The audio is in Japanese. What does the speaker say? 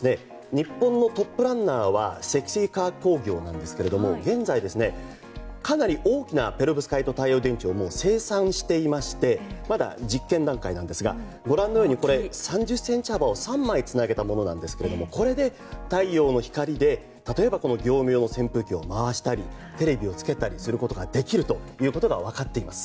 日本のトップランナーは積水化学工業なんですけど現在、かなり大きなペロブスカイト太陽電池を生産していましてまだ実験段階なんですがご覧のように３０ｃｍ幅を３枚つなげたものなんですがこれで太陽の光で例えば業務用扇風機を回したりテレビをつけたりすることができると分かっています。